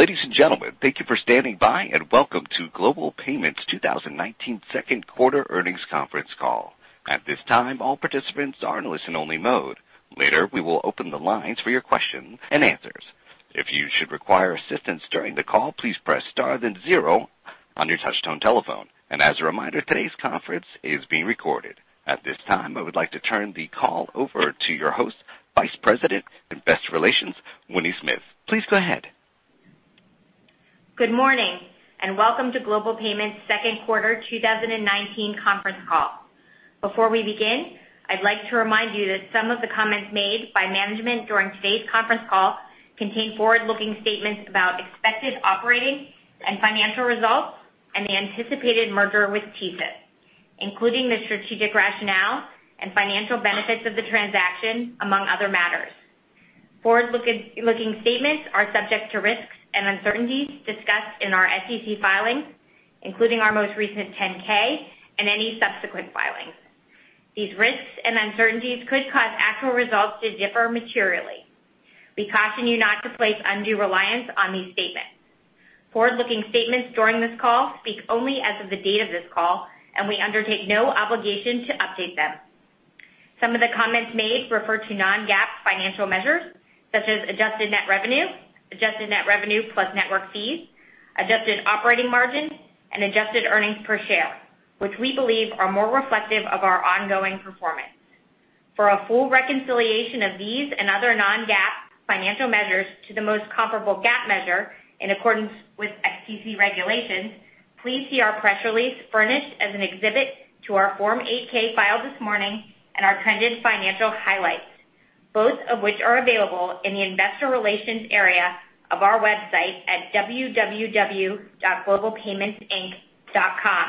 Ladies and gentlemen, thank you for standing by, and welcome to Global Payments' 2019 Second Quarter Earnings conference call. At this time, all participants are in listen only mode. Later, we will open the lines for your questions and answers. If you should require assistance during the call, please press star then zero on your touchtone telephone. As a reminder, today's conference is being recorded. At this time, I would like to turn the call over to your host, Vice President, Investor Relations, Winnie Smith. Please go ahead. Good morning, and welcome to Global Payments' second quarter 2019 conference call. Before we begin, I'd like to remind you that some of the comments made by management during today's conference call contain forward-looking statements about expected operating and financial results and the anticipated merger with TSYS, including the strategic rationale and financial benefits of the transaction, among other matters. Forward-looking statements are subject to risks and uncertainties discussed in our SEC filings, including our most recent 10-K and any subsequent filings. These risks and uncertainties could cause actual results to differ materially. We caution you not to place undue reliance on these statements. Forward-looking statements during this call speak only as of the date of this call, and we undertake no obligation to update them. Some of the comments made refer to non-GAAP financial measures, such as adjusted net revenue, adjusted net revenue plus network fees, adjusted operating margin, and adjusted earnings per share, which we believe are more reflective of our ongoing performance. For a full reconciliation of these and other non-GAAP financial measures to the most comparable GAAP measure in accordance with SEC regulations, please see our press release furnished as an exhibit to our Form 8-K filed this morning and our trended financial highlights, both of which are available in the investor relations area of our website at www.globalpaymentsinc.com.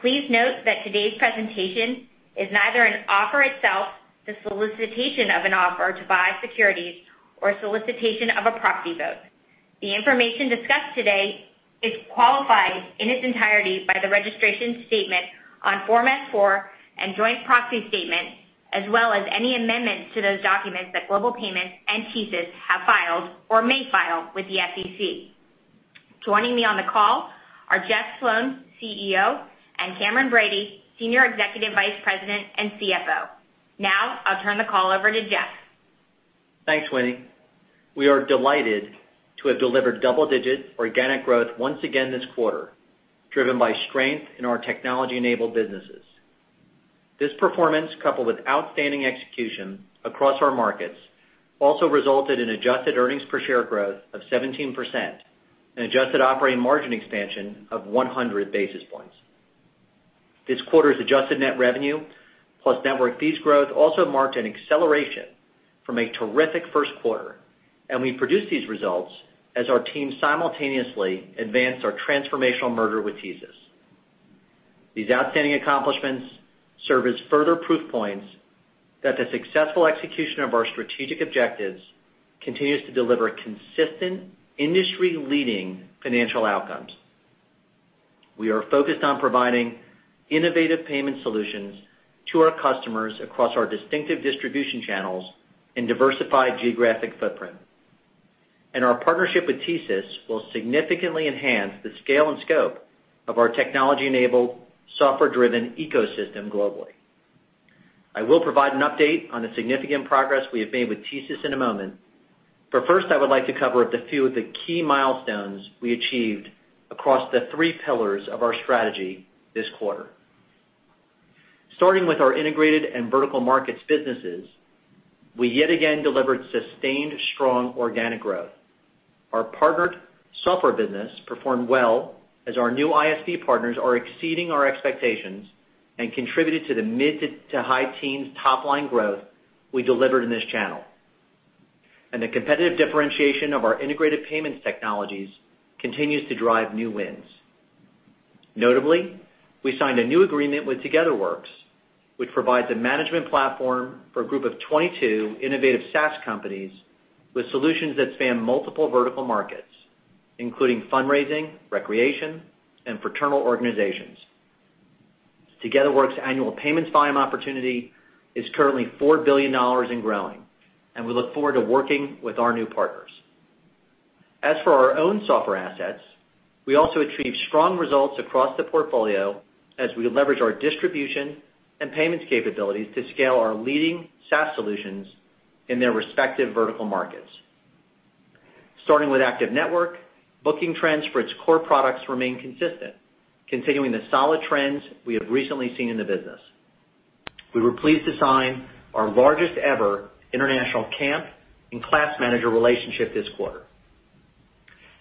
Please note that today's presentation is neither an offer itself the solicitation of an offer to buy securities or solicitation of a proxy vote. The information discussed today is qualified in its entirety by the registration statement on Form S-4 and joint proxy statement, as well as any amendments to those documents that Global Payments and TSYS have filed or may file with the SEC. Joining me on the call are Jeff Sloan, CEO, and Cameron Bready, Senior Executive Vice President and CFO. I'll turn the call over to Jeff. Thanks, Winnie. We are delighted to have delivered double-digit organic growth once again this quarter, driven by strength in our technology-enabled businesses. This performance, coupled with outstanding execution across our markets, also resulted in adjusted earnings per share growth of 17% and adjusted operating margin expansion of 100 basis points. This quarter's adjusted net revenue plus network fees growth also marked an acceleration from a terrific first quarter. We produced these results as our team simultaneously advanced our transformational merger with TSYS. These outstanding accomplishments serve as further proof points that the successful execution of our strategic objectives continues to deliver consistent, industry-leading financial outcomes. We are focused on providing innovative payment solutions to our customers across our distinctive distribution channels and diversified geographic footprint. Our partnership with TSYS will significantly enhance the scale and scope of our technology-enabled, software-driven ecosystem globally. I will provide an update on the significant progress we have made with TSYS in a moment, but first, I would like to cover a few of the key milestones we achieved across the three pillars of our strategy this quarter. Starting with our integrated and vertical markets businesses, we yet again delivered sustained strong organic growth. Our partnered software business performed well as our new ISV partners are exceeding our expectations and contributed to the mid to high teens top-line growth we delivered in this channel. The competitive differentiation of our integrated payments technologies continues to drive new wins. Notably, we signed a new agreement with Togetherwork, which provides a management platform for a group of 22 innovative SaaS companies with solutions that span multiple vertical markets, including fundraising, recreation, and fraternal organizations. Togetherwork's annual payments volume opportunity is currently $4 billion and growing. We look forward to working with our new partners. As for our own software assets, we also achieved strong results across the portfolio as we leverage our distribution and payments capabilities to scale our leading SaaS solutions in their respective vertical markets. Starting with ACTIVE Network, booking trends for its core products remain consistent, continuing the solid trends we have recently seen in the business. We were pleased to sign our largest ever international Camp and Class Manager relationship this quarter.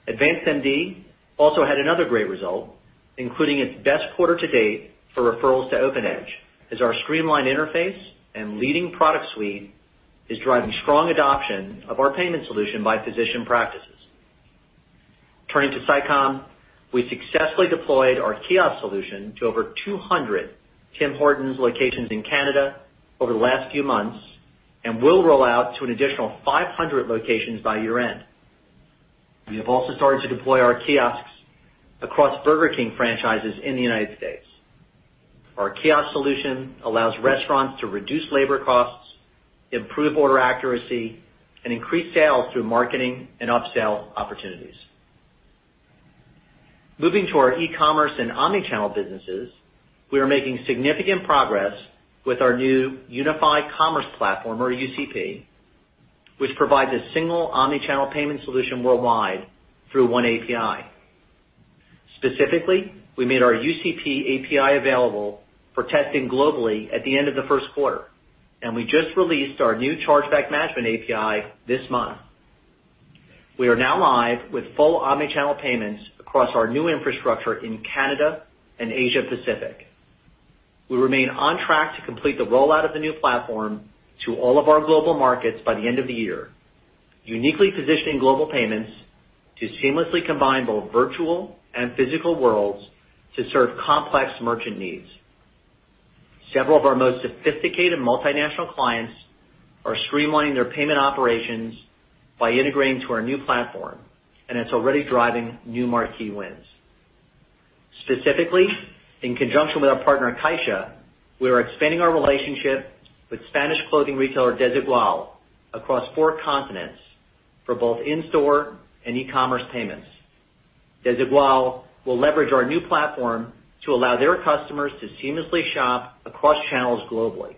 AdvancedMD also had another great result, including its best quarter to date for referrals to OpenEdge, as our streamlined interface and leading product suite is driving strong adoption of our payment solution by physician practices. Turning to SICOM, we successfully deployed our kiosk solution to over 200 Tim Hortons locations in Canada over the last few months and will roll out to an additional 500 locations by year-end. We have also started to deploy our kiosks across Burger King franchises in the United States. Our kiosk solution allows restaurants to reduce labor costs, improve order accuracy, and increase sales through marketing and upsell opportunities. Moving to our e-commerce and omnichannel businesses, we are making significant progress with our new unified commerce platform, or UCP, which provides a single omnichannel payment solution worldwide through one API. Specifically, we made our UCP API available for testing globally at the end of the first quarter, and we just released our new chargeback management API this month. We are now live with full omnichannel payments across our new infrastructure in Canada and Asia Pacific. We remain on track to complete the rollout of the new platform to all of our global markets by the end of the year, uniquely positioning Global Payments to seamlessly combine both virtual and physical worlds to serve complex merchant needs. Several of our most sophisticated multinational clients are streamlining their payment operations by integrating to our new platform. It's already driving new marquee wins. Specifically, in conjunction with our partner, Caixa, we are expanding our relationship with Spanish clothing retailer, Desigual, across four continents for both in-store and e-commerce payments. Desigual will leverage our new platform to allow their customers to seamlessly shop across channels globally.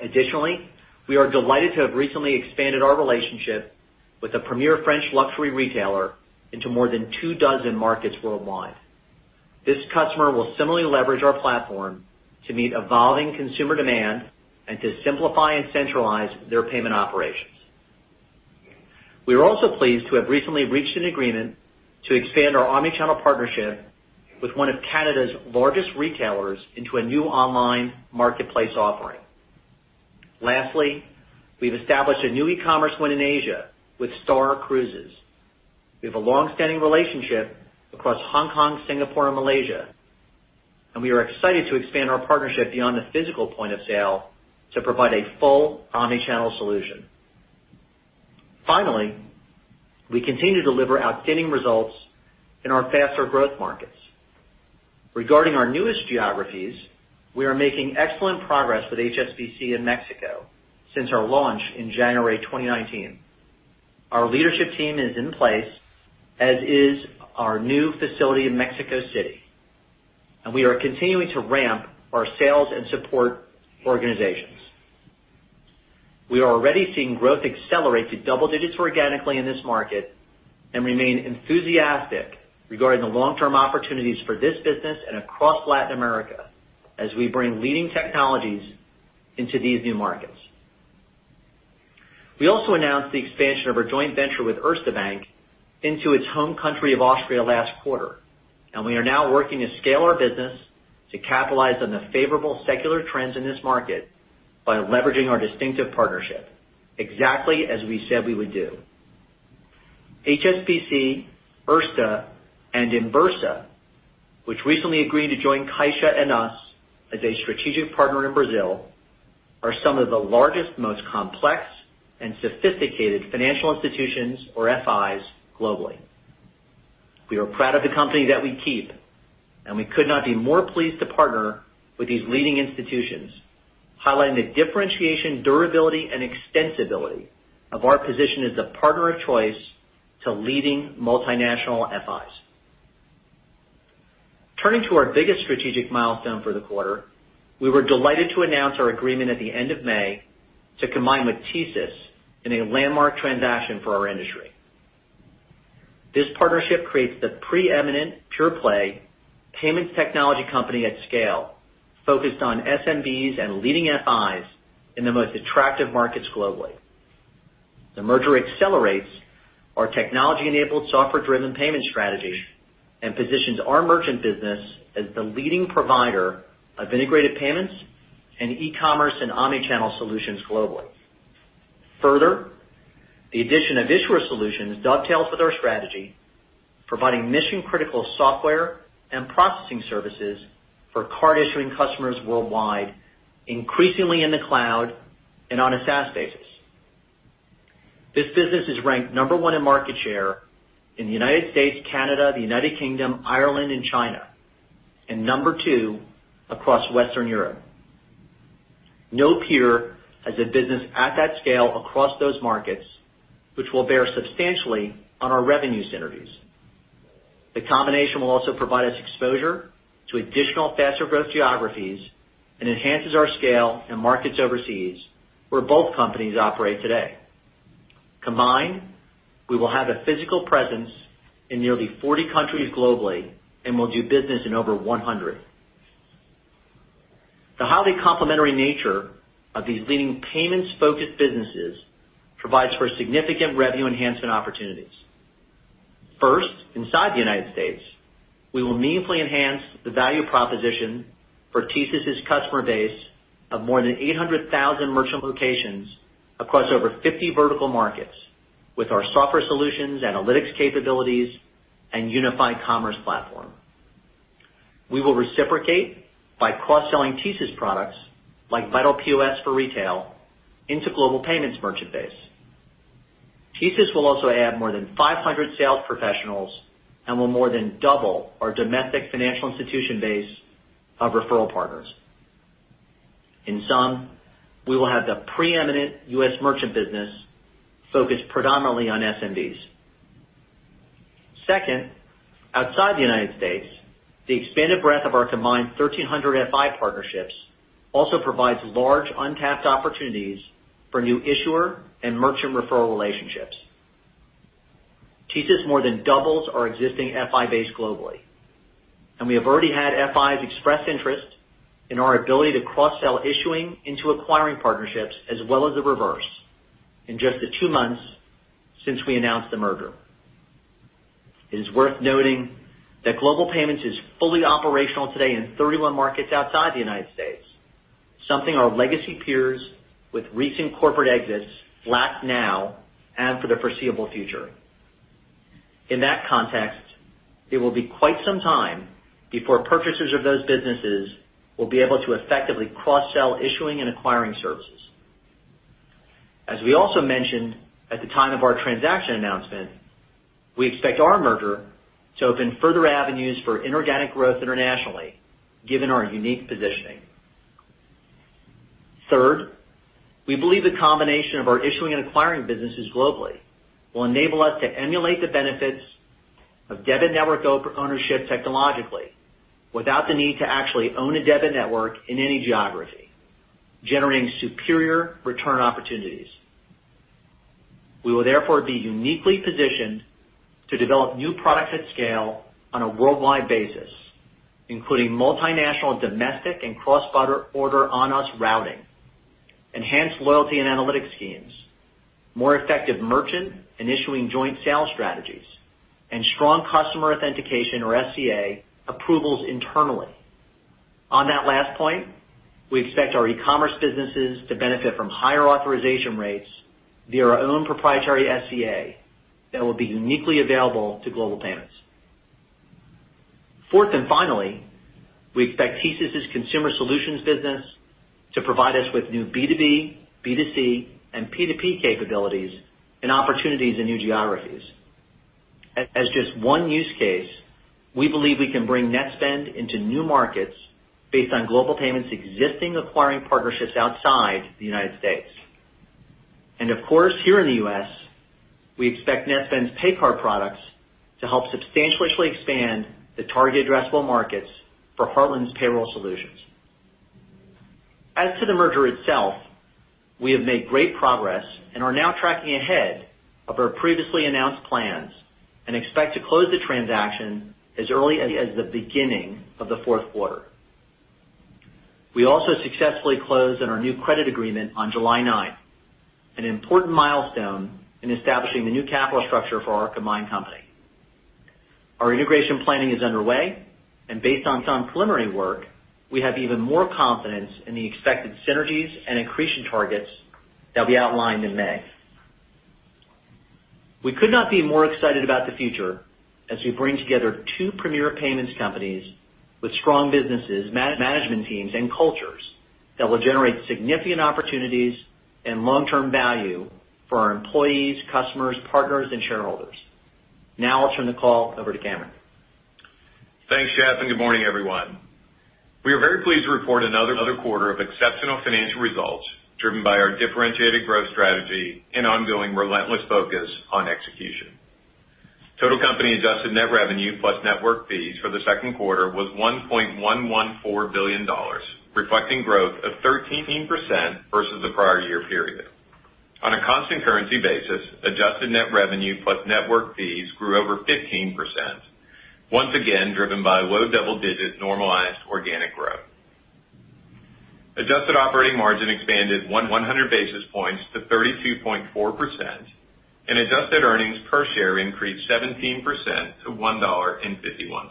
Additionally, we are delighted to have recently expanded our relationship with a premier French luxury retailer into more than two dozen markets worldwide. This customer will similarly leverage our platform to meet evolving consumer demand and to simplify and centralize their payment operations. We are also pleased to have recently reached an agreement to expand our omnichannel partnership with one of Canada's largest retailers into a new online marketplace offering. Lastly, we've established a new e-commerce win in Asia with Star Cruises. We have a long-standing relationship across Hong Kong, Singapore, and Malaysia, and we are excited to expand our partnership beyond the physical point of sale to provide a full omnichannel solution. Finally, we continue to deliver outstanding results in our faster growth markets. Regarding our newest geographies, we are making excellent progress with HSBC in Mexico since our launch in January 2019. Our leadership team is in place, as is our new facility in Mexico City, and we are continuing to ramp our sales and support organizations. We are already seeing growth accelerate to double digits organically in this market and remain enthusiastic regarding the long-term opportunities for this business and across Latin America as we bring leading technologies into these new markets. We also announced the expansion of our joint venture with Erste Bank into its home country of Austria last quarter. We are now working to scale our business to capitalize on the favorable secular trends in this market by leveraging our distinctive partnership, exactly as we said we would do. HSBC, Erste, and Inbursa, which recently agreed to join Caixa and us as a strategic partner in Brazil, are some of the largest, most complex and sophisticated financial institutions, or FIs, globally. We are proud of the company that we keep. We could not be more pleased to partner with these leading institutions, highlighting the differentiation, durability, and extensibility of our position as a partner of choice to leading multinational FIs. Turning to our biggest strategic milestone for the quarter, we were delighted to announce our agreement at the end of May to combine with TSYS in a landmark transaction for our industry. This partnership creates the preeminent pure play payments technology company at scale focused on SMBs and leading FIs in the most attractive markets globally. The merger accelerates our technology-enabled, software-driven payment strategy and positions our merchant business as the leading provider of integrated payments and e-commerce and omnichannel solutions globally. Further, the addition of issuer solutions dovetails with our strategy, providing mission-critical software and processing services for card-issuing customers worldwide, increasingly in the cloud and on a SaaS basis. This business is ranked number one in market share in the United States, Canada, the United Kingdom, Ireland, and China, and number two across Western Europe. No peer has a business at that scale across those markets, which will bear substantially on our revenue synergies. The combination will also provide us exposure to additional faster growth geographies and enhances our scale and markets overseas, where both companies operate today. Combined, we will have a physical presence in nearly 40 countries globally and will do business in over 100. The highly complementary nature of these leading payments-focused businesses provides for significant revenue enhancement opportunities. First, inside the U.S., we will meaningfully enhance the value proposition for TSYS' customer base of more than 800,000 merchant locations across over 50 vertical markets with our software solutions, analytics capabilities, and unified commerce platform. We will reciprocate by cross-selling TSYS products like Vital POS for retail into Global Payments merchant base. TSYS will also add more than 500 sales professionals and will more than double our domestic financial institution base of referral partners. In sum, we will have the preeminent U.S. merchant business focused predominantly on SMBs. Second, outside the United States, the expanded breadth of our combined 1,300 FI partnerships also provides large, untapped opportunities for new issuer and merchant referral relationships. TSYS more than doubles our existing FI base globally. We have already had FIs express interest in our ability to cross-sell issuing into acquiring partnerships as well as the reverse in just the two months since we announced the merger. It is worth noting that Global Payments is fully operational today in 31 markets outside the United States, something our legacy peers with recent corporate exits lack now and for the foreseeable future. In that context, it will be quite some time before purchasers of those businesses will be able to effectively cross-sell issuing and acquiring services. As we also mentioned at the time of our transaction announcement, we expect our merger to open further avenues for inorganic growth internationally given our unique positioning. Third, we believe the combination of our issuing and acquiring businesses globally will enable us to emulate the benefits of debit network ownership technologically without the need to actually own a debit network in any geography, generating superior return opportunities. We will therefore be uniquely positioned to develop new products at scale on a worldwide basis, including multinational, domestic, and cross-border order [on us routing, enhanced loyalty and analytics schemes, more effective merchant and issuing joint sales strategies, and strong customer authentication or SCA approvals internally. On that last point, we expect our e-commerce businesses to benefit from higher authorization rates via our own proprietary SCA that will be uniquely available to Global Payments. Fourth and finally, we expect TSYS' consumer solutions business to provide us with new B2B, B2C, and P2P capabilities and opportunities in new geographies. As just one-use case, we believe we can bring Netspend into new markets based on Global Payments' existing acquiring partnerships outside the U.S. Of course, here in the U.S., we expect Netspend's pay card products to help substantially expand the target addressable markets for Heartland's payroll solutions. As to the merger itself, we have made great progress and are now tracking ahead of our previously announced plans and expect to close the transaction as early as the beginning of the fourth quarter. We also successfully closed on our new credit agreement on July ninth, an important milestone in establishing the new capital structure for our combined company. Our integration planning is underway. Based on some preliminary work, we have even more confidence in the expected synergies and accretion targets that we outlined in May. We could not be more excited about the future as we bring together two premier payments companies with strong businesses, management teams, and cultures that will generate significant opportunities and long-term value for our employees, customers, partners, and shareholders. Now I'll turn the call over to Cameron. Thanks, Jeff. Good morning, everyone. We are very pleased to report another quarter of exceptional financial results driven by our differentiated growth strategy and ongoing relentless focus on execution. Total company adjusted net revenue plus network fees for the second quarter was $1.114 billion, reflecting growth of 13% versus the prior year period. On a constant currency basis, adjusted net revenue plus network fees grew over 15%, once again driven by low double-digit normalized organic growth. Adjusted operating margin expanded 100 basis points to 32.4%, and adjusted earnings per share increased 17% to $1.51.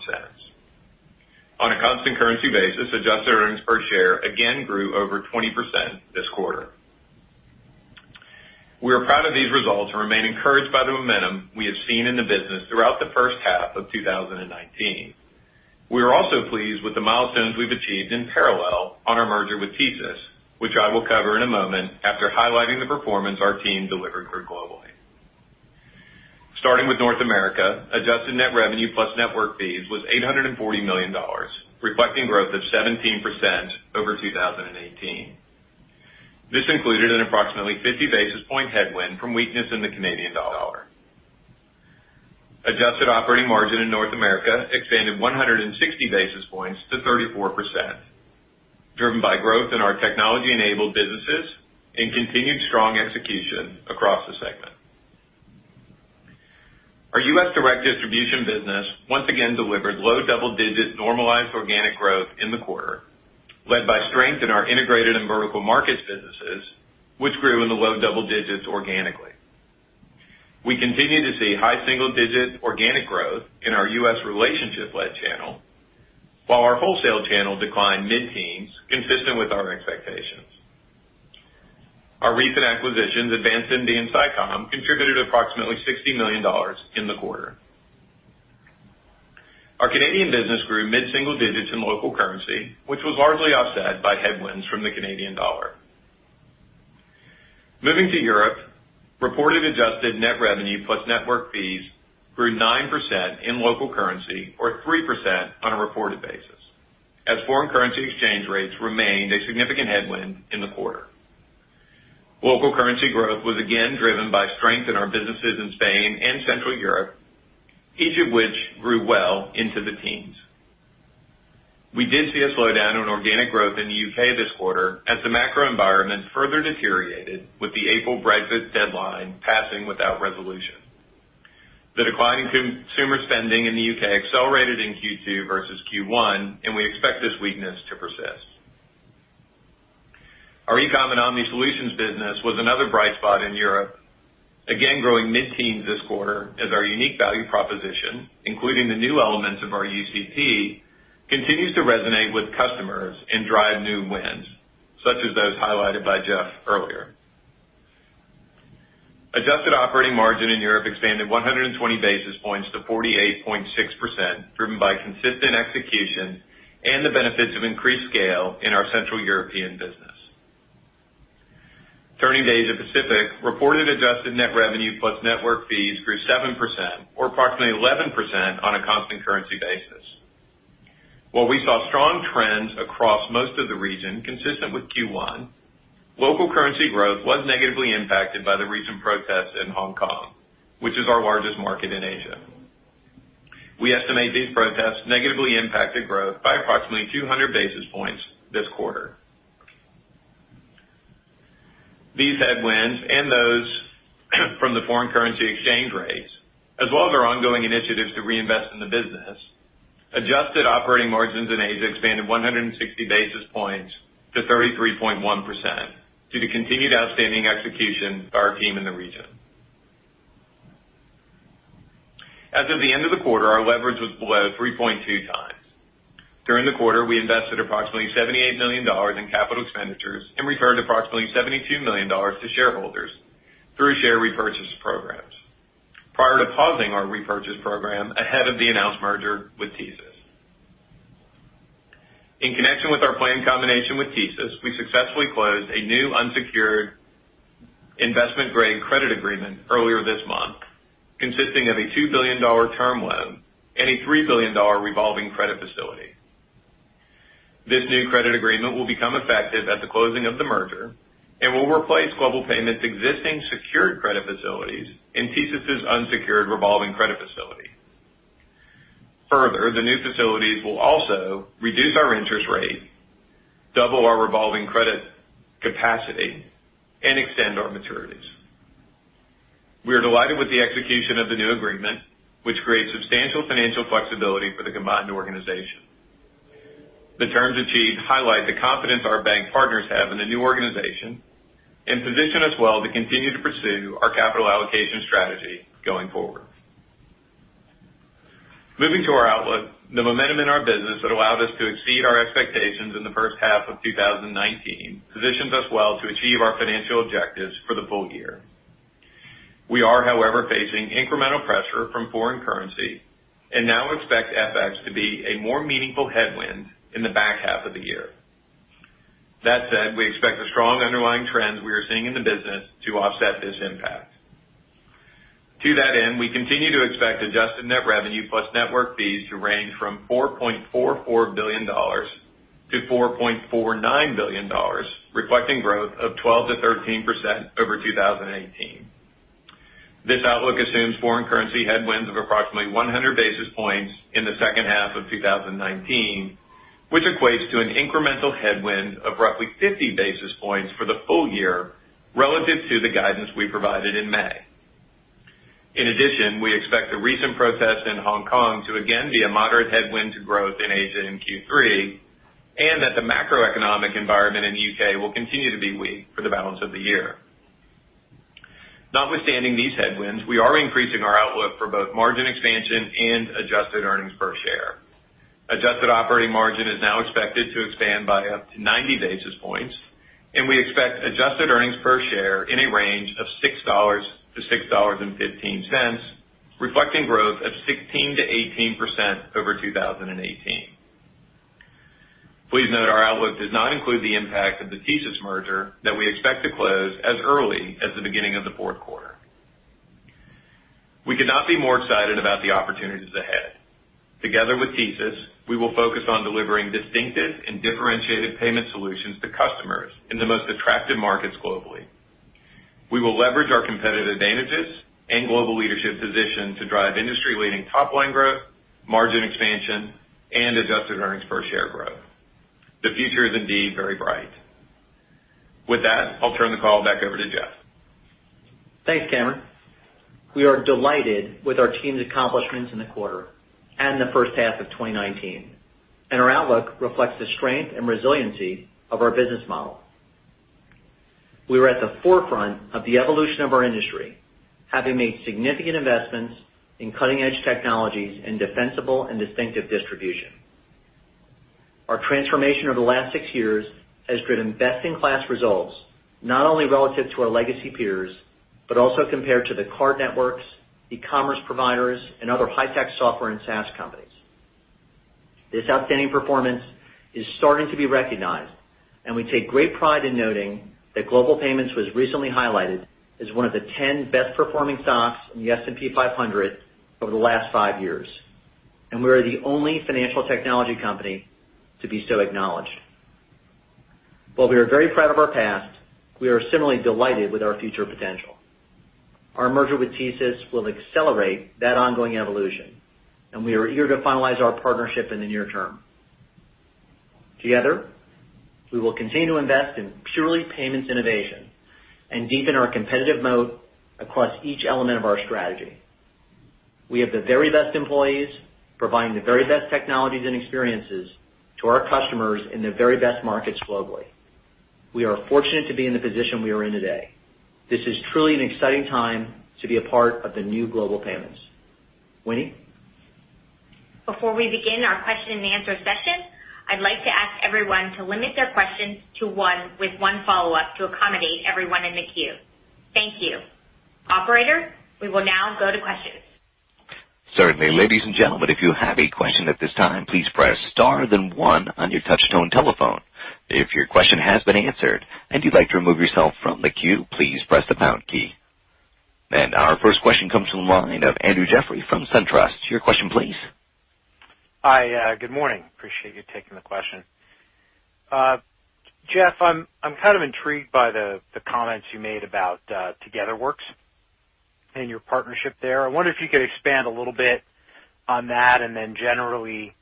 On a constant currency basis, adjusted earnings per share again grew over 20% this quarter. We are proud of these results and remain encouraged by the momentum we have seen in the business throughout the first half of 2019. We are also pleased with the milestones we've achieved in parallel on our merger with TSYS, which I will cover in a moment after highlighting the performance our team delivered for Global Payments. Starting with North America, adjusted net revenue plus network fees was $840 million, reflecting growth of 17% over 2018. This included an approximately 50 basis point headwind from weakness in the Canadian dollar. Adjusted operating margin in North America expanded 160 basis points to 34%, driven by growth in our technology-enabled businesses and continued strong execution across the segment. Our U.S. direct distribution business once again delivered low double-digit normalized organic growth in the quarter, led by strength in our integrated and vertical markets businesses, which grew in the low double digits organically. We continue to see high single-digit organic growth in our U.S. relationship-led channel, while our wholesale channel declined mid-teens, consistent with our expectations. Our recent acquisitions, AdvancedMD and SICOM, contributed approximately $60 million in the quarter. Our Canadian business grew mid-single digits in local currency, which was largely offset by headwinds from the Canadian dollar. Moving to Europe, reported adjusted net revenue plus network fees grew 9% in local currency, or 3% on a reported basis, as foreign currency exchange rates remained a significant headwind in the quarter. Local currency growth was again driven by strength in our businesses in Spain and Central Europe, each of which grew well into the teens. We did see a slowdown in organic growth in the U.K. this quarter as the macro environment further deteriorated with the April Brexit deadline passing without resolution. The decline in consumer spending in the U.K. accelerated in Q2 versus Q1. We expect this weakness to persist. Our e-comm and Omni solutions business was another bright spot in Europe, again growing mid-teens this quarter as our unique value proposition, including the new elements of our UCP, continues to resonate with customers and drive new wins, such as those highlighted by Jeff earlier. Adjusted operating margin in Europe expanded 120 basis points to 48.6%, driven by consistent execution and the benefits of increased scale in our Central European business. Turning to Asia Pacific. Reported adjusted net revenue plus network fees grew 7%, or approximately 11% on a constant currency basis. While we saw strong trends across most of the region consistent with Q1, local currency growth was negatively impacted by the recent protests in Hong Kong, which is our largest market in Asia. We estimate these protests negatively impacted growth by approximately 200 basis points this quarter. These headwinds and those from the foreign currency exchange rates, as well as our ongoing initiatives to reinvest in the business, adjusted operating margins in Asia expanded 160 basis points to 33.1% due to continued outstanding execution by our team in the region. As of the end of the quarter, our leverage was below 3.2x. During the quarter, we invested approximately $78 million in capital expenditures and returned approximately $72 million to shareholders through share repurchase programs prior to pausing our repurchase program ahead of the announced merger with TSYS. In connection with our planned combination with TSYS, we successfully closed a new unsecured investment-grade credit agreement earlier this month, consisting of a $2 billion term loan and a $3 billion revolving credit facility. This new credit agreement will become effective at the closing of the merger and will replace Global Payments' existing secured credit facilities and TSYS' unsecured revolving credit facility. Further, the new facilities will also reduce our interest rate, double our revolving credit capacity, and extend our maturities. We are delighted with the execution of the new agreement, which creates substantial financial flexibility for the combined organization. The terms achieved highlight the confidence our bank partners have in the new organization and position us well to continue to pursue our capital allocation strategy going forward. Moving to our outlook. The momentum in our business that allowed us to exceed our expectations in the first half of 2019 positions us well to achieve our financial objectives for the full year. We are, however, facing incremental pressure from foreign currency and now expect FX to be a more meaningful headwind in the back half of the year. That said, we expect the strong underlying trends we are seeing in the business to offset this impact. To that end, we continue to expect adjusted net revenue plus network fees to range from $4.44 billion-$4.49 billion, reflecting growth of 12%-13% over 2018. This outlook assumes foreign currency headwinds of approximately 100 basis points in the second half of 2019, which equates to an incremental headwind of roughly 50 basis points for the full year relative to the guidance we provided in May. In addition, we expect the recent protests in Hong Kong to again be a moderate headwind to growth in Asia in Q3, and that the macroeconomic environment in the U.K. will continue to be weak for the balance of the year. Notwithstanding these headwinds, we are increasing our outlook for both margin expansion and adjusted earnings per share. Adjusted operating margin is now expected to expand by up to 90 basis points, and we expect adjusted earnings per share in a range of $6-$6.15, reflecting growth of 16%-18% over 2018. Please note our outlook does not include the impact of the TSYS merger that we expect to close as early as the beginning of the fourth quarter. We could not be more excited about the opportunities ahead. Together with TSYS, we will focus on delivering distinctive and differentiated payment solutions to customers in the most attractive markets globally. We will leverage our competitive advantages and global leadership position to drive industry-leading top-line growth, margin expansion, and adjusted earnings per share growth. The future is indeed very bright. With that, I'll turn the call back over to Jeff. Thanks, Cameron. We are delighted with our team's accomplishments in the quarter and the first half of 2019. Our outlook reflects the strength and resiliency of our business model. We are at the forefront of the evolution of our industry, having made significant investments in cutting-edge technologies and defensible and distinctive distribution. Our transformation over the last six years has driven best-in-class results, not only relative to our legacy peers, but also compared to the card networks, e-commerce providers, and other high-tech software and SaaS companies. This outstanding performance is starting to be recognized. We take great pride in noting that Global Payments was recently highlighted as one of the 10 best-performing stocks in the S&P 500 over the last five years. We are the only financial technology company to be so acknowledged. While we are very proud of our past, we are similarly delighted with our future potential. Our merger with TSYS will accelerate that ongoing evolution, and we are eager to finalize our partnership in the near term. Together, we will continue to invest in purely payments innovation and deepen our competitive moat across each element of our strategy. We have the very best employees providing the very best technologies and experiences to our customers in the very best markets globally. We are fortunate to be in the position we are in today. This is truly an exciting time to be a part of the new Global Payments. Winnie? Before we begin our question and answer session, I'd like to ask everyone to limit their questions to one with one follow-up to accommodate everyone in the queue. Thank you. Operator, we will now go to questions. Certainly. Ladies and gentlemen, if you have a question at this time, please press star then one on your touch-tone telephone. If your question has been answered and you'd like to remove yourself from the queue, please press the pound key. Our first question comes from the line of Andrew Jeffrey from SunTrust. Your question please. Hi. Good morning. Appreciate you taking the question. Jeff, I'm kind of intrigued by the comments you made about Togetherwork and your partnership there. I wonder if you could expand a little bit on that and then generally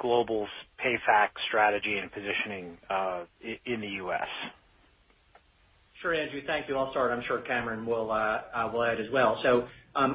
Global's payfac strategy and positioning in the U.S. Sure, Andrew. Thank you. I'll start. I'm sure Cameron will add as well.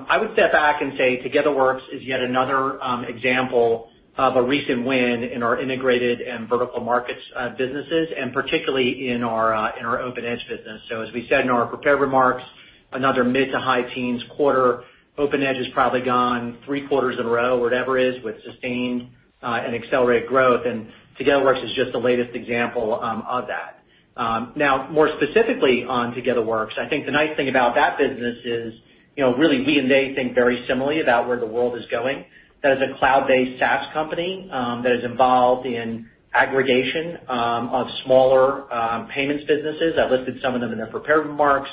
I would step back and say Togetherwork is yet another example of a recent win in our integrated and vertical markets businesses, and particularly in our OpenEdge business. As we said in our prepared remarks, another mid to high teens quarter. OpenEdge has probably gone three quarters in a row or whatever it is, with sustained and accelerated growth, and Togetherwork is just the latest example of that. More specifically on Togetherwork, I think the nice thing about that business is really we and they think very similarly about where the world is going. That is a cloud-based SaaS company that is involved in aggregation of smaller payments businesses. I listed some of them in the prepared remarks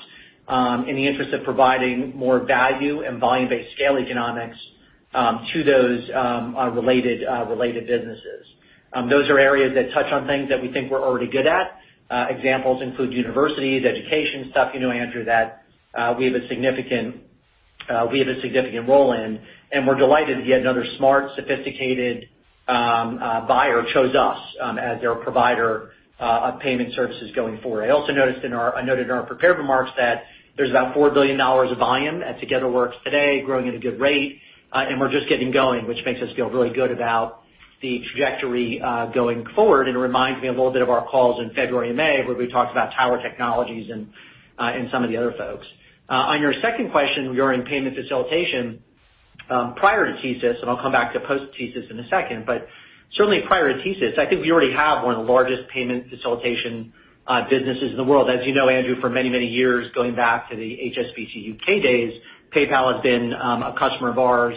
in the interest of providing more value and volume-based scale economics to those related businesses. Those are areas that touch on things that we think we're already good at. Examples include universities, education stuff, Andrew, that we have a significant role in. We're delighted that yet another smart, sophisticated buyer chose us as their provider of payment services going forward. I also noted in our prepared remarks that there's about $4 billion of volume at Togetherwork today, growing at a good rate. We're just getting going, which makes us feel really good about the trajectory going forward and reminds me a little bit of our calls in February and May where we talked about Tower Technologies and some of the other folks. On your second question, we are in payment facilitation prior to TSYS, and I'll come back to post-TSYS in a second. Certainly prior to TSYS, I think we already have one of the largest payment facilitation businesses in the world. As you know, Andrew, for many, many years, going back to the HSBC UK days, PayPal has been a customer of ours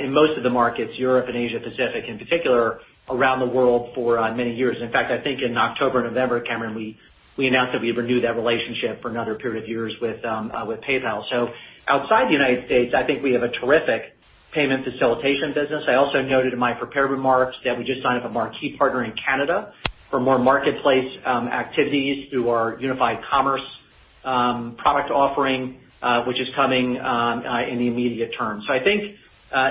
in most of the markets, Europe and Asia Pacific in particular, around the world for many years. In fact, I think in October, November, Cameron, we announced that we renewed that relationship for another period of years with PayPal. Outside the U.S., I think we have a terrific payment facilitation business. I also noted in my prepared remarks that we just signed up a marquee partner in Canada for more marketplace activities through our unified commerce product offering which is coming in the immediate term. I think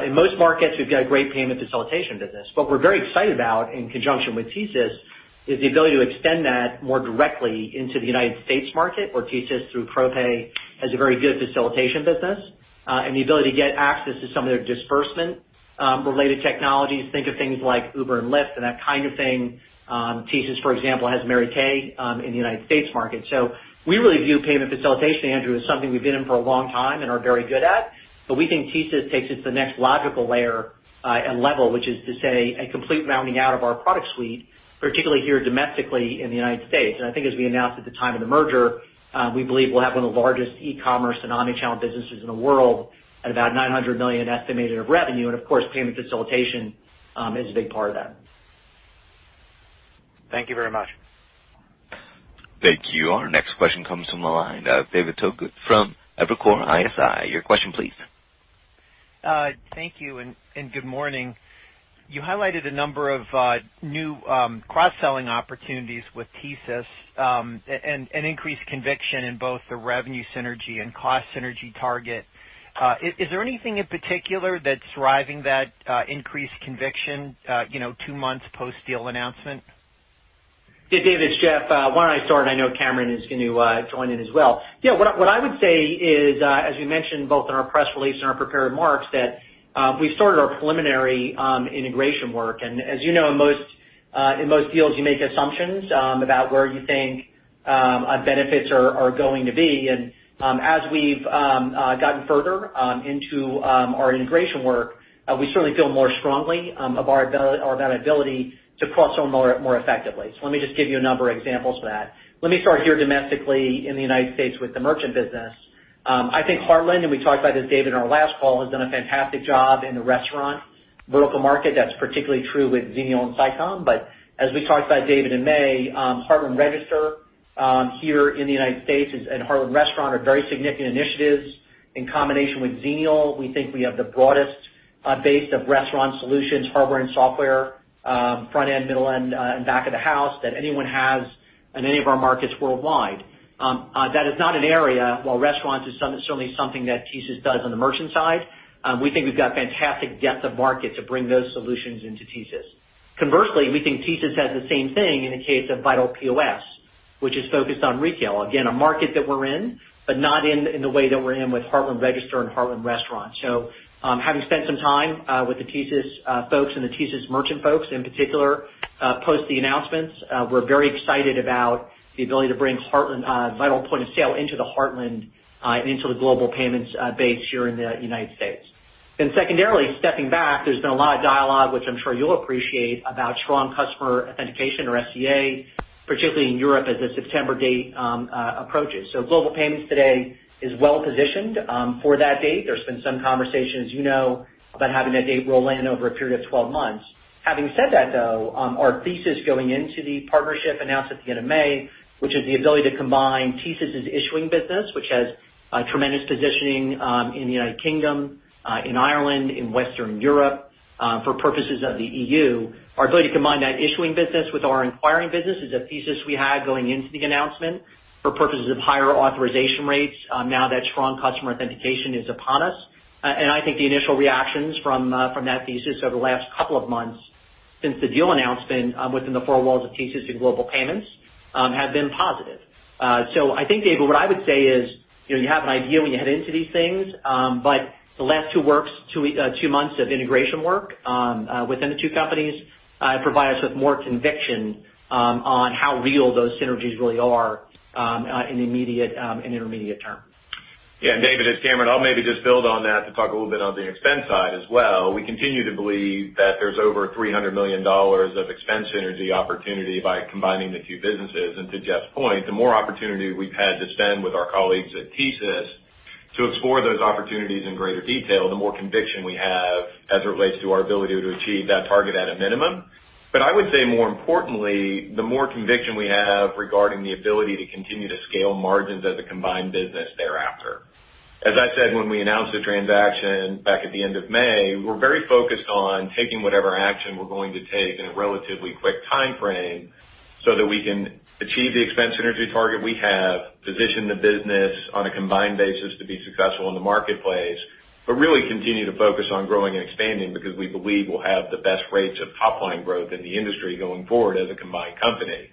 in most markets we've got a great payment facilitation business. What we're very excited about in conjunction with TSYS is the ability to extend that more directly into the United States market where TSYS, through ProPay has a very good facilitation business and the ability to get access to some of their disbursement-related technologies. Think of things like Uber and Lyft and that kind of thing. TSYS, for example, has Mary Kay in the U.S. market. We really view payment facilitation, Andrew, as something we've been in for a long time and are very good at. We think TSYS takes it to the next logical layer and level, which is to say a complete rounding out of our product suite, particularly here domestically in the U.S. I think as we announced at the time of the merger, we believe we'll have one of the largest e-commerce and omnichannel businesses in the world at about $900 million estimated of revenue. Of course, payment facilitation is a big part of that. Thank you very much. Thank you. Our next question comes from the line of David Togut from Evercore ISI. Your question please. Thank you, and good morning. You highlighted a number of new cross-selling opportunities with TSYS and increased conviction in both the revenue synergy and cost synergy target. Is there anything in particular that's driving that increased conviction two months post-deal announcement? David, it's Jeff. Why don't I start? I know Cameron is going to join in as well. What I would say is, as we mentioned both in our press release and our prepared remarks, that we've started our preliminary integration work. As you know, in most deals, you make assumptions about where benefits are going to be. As we've gotten further into our integration work, we certainly feel more strongly about our ability to cross-sell more effectively. Let me just give you a number of examples of that. Let me start here domestically in the U.S. with the merchant business. I think Heartland, and we talked about this, David, in our last call, has done a fantastic job in the restaurant vertical market. That's particularly true with Xenial and SICOM. As we talked about, David, in May, Heartland Register here in the United States and Heartland Restaurant are very significant initiatives. In combination with Xenial, we think we have the broadest base of restaurant solutions, hardware and software, front end, middle end, and back of the house, that anyone has in any of our markets worldwide. That is not an area. While restaurants is certainly something that TSYS does on the merchant side, we think we've got fantastic depth of market to bring those solutions into TSYS. Conversely, we think TSYS has the same thing in the case of Vital POS, which is focused on retail. Again, a market that we're in, but not in the way that we're in with Heartland Register and Heartland Restaurant. Having spent some time with the TSYS folks and the TSYS merchant folks in particular, post the announcements, we're very excited about the ability to bring Vital Point of Sale into the Heartland, into the Global Payments base here in the United States. Secondarily, stepping back, there's been a lot of dialogue, which I'm sure you'll appreciate, about strong customer authentication or SCA, particularly in Europe as the September date approaches. Global Payments today is well-positioned for that date. There's been some conversation, as you know, about having that date roll in over a period of 12 months. Having said that, though, our thesis going into the partnership announced at the end of May, which is the ability to combine TSYS' issuing business, which has tremendous positioning in the United Kingdom, in Ireland, in Western Europe, for purposes of the EU. Our ability to combine that issuing business with our [acquiring] business is a thesis we had going into the announcement for purposes of higher authorization rates now that strong customer authentication is upon us. I think the initial reactions from that thesis over the last couple of months since the deal announcement within the four walls of TSYS and Global Payments have been positive. I think, David, what I would say is, you have an idea when you head into these things, but the last two months of integration work within the two companies provide us with more conviction on how real those synergies really are in the immediate and intermediate term. Yeah. David, it's Cameron. I'll maybe just build on that to talk a little bit on the expense side as well. We continue to believe that there's over $300 million of expense synergy opportunity by combining the two businesses. To Jeff's point, the more opportunity we've had to spend with our colleagues at TSYS to explore those opportunities in greater detail, the more conviction we have as it relates to our ability to achieve that target at a minimum. I would say more importantly, the more conviction we have regarding the ability to continue to scale margins as a combined business thereafter. As I said when we announced the transaction back at the end of May, we're very focused on taking whatever action we're going to take in a relatively quick timeframe so that we can achieve the expense synergy target we have, position the business on a combined basis to be successful in the marketplace, but really continue to focus on growing and expanding because we believe we'll have the best rates of top-line growth in the industry going forward as a combined company.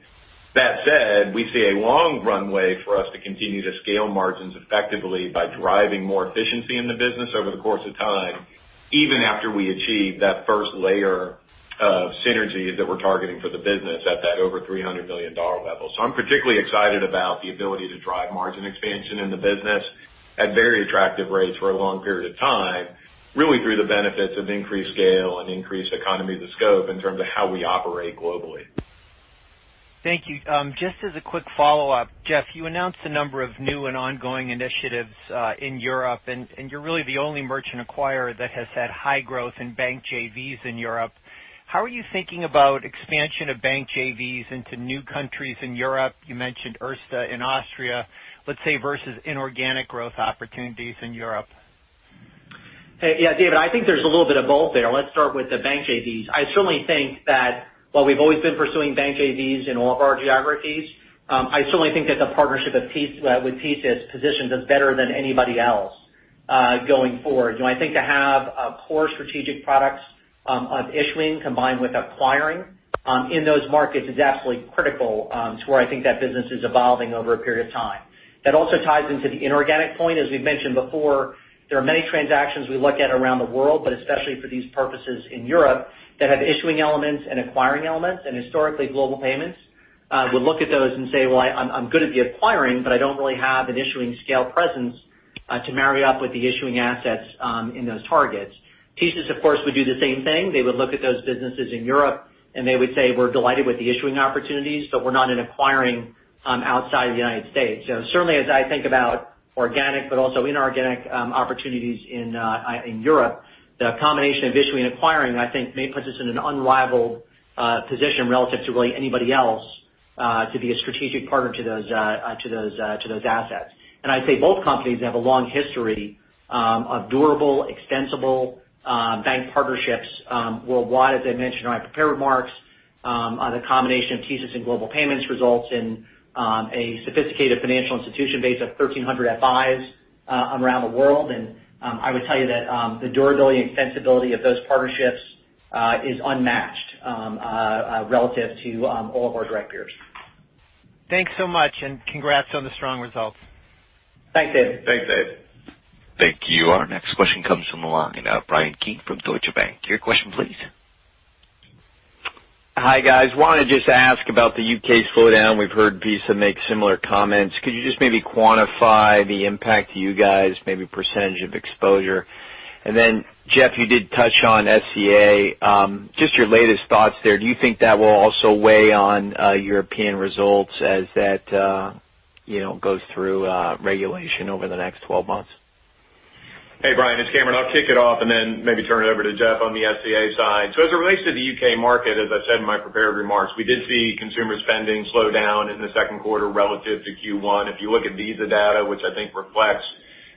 That said, we see a long runway for us to continue to scale margins effectively by driving more efficiency in the business over the course of time, even after we achieve that first layer of synergies that we're targeting for the business at that over $300 million level. I'm particularly excited about the ability to drive margin expansion in the business at very attractive rates for a long period of time, really through the benefits of increased scale and increased economy of the scope in terms of how we operate globally. Thank you. Just as a quick follow-up. Jeff, you announced a number of new and ongoing initiatives in Europe. You're really the only merchant acquirer that has had high growth in bank JVs in Europe. How are you thinking about expansion of bank JVs into new countries in Europe? You mentioned Erste in Austria, let's say, versus inorganic growth opportunities in Europe. Yeah. David, I think there's a little bit of both there. Let's start with the bank JVs. I certainly think that while we've always been pursuing bank JVs in all of our geographies, I certainly think that the partnership with TSYS positions us better than anybody else going forward. I think to have core strategic products of issuing combined with acquiring in those markets is absolutely critical to where I think that business is evolving over a period of time. That also ties into the inorganic point. As we've mentioned before, there are many transactions we look at around the world, but especially for these purposes in Europe, that have issuing elements and acquiring elements. Historically, Global Payments would look at those and say, "Well, I'm good at the acquiring, but I don't really have an issuing scale presence to marry up with the issuing assets in those targets." TSYS, of course, would do the same thing. They would look at those businesses in Europe, and they would say, "We're delighted with the issuing opportunities, but we're not in acquiring outside the United States." Certainly, as I think about organic but also inorganic opportunities in Europe, the combination of issuing and acquiring, I think, may put us in an unrivaled position relative to really anybody else to be a strategic partner to those assets. I'd say both companies have a long history of durable, extensible bank partnerships worldwide. As I mentioned in my prepared remarks, the combination of TSYS and Global Payments results in a sophisticated financial institution base of 1,300 FIs around the world. I would tell you that the durability and extensibility of those partnerships is unmatched relative to all of our direct peers. Thanks so much, and congrats on the strong results. Thanks, David. Thanks, David. Thank you. Our next question comes from the line of Bryan Keane from Deutsche Bank. Your question, please. Hi, guys. Wanted just to ask about the U.K. slowdown. We've heard Visa make similar comments. Could you just maybe quantify the impact to you guys, maybe percentage of exposure? Jeff, you did touch on SCA. Just your latest thoughts there. Do you think that will also weigh on European results as that goes through regulation over the next 12 months? Hey, Bryan, it's Cameron. I'll kick it off and then maybe turn it over to Jeff on the SCA side. As it relates to the U.K. market, as I said in my prepared remarks, we did see consumer spending slowdown in the second quarter relative to Q1. If you look at Visa data, which I think reflects